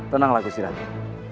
tenanglah kusir rai